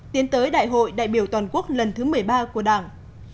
tiến tới đại hội đại biểu toàn quốc lần thứ một mươi ba của đảng